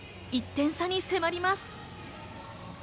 １点差に迫ります。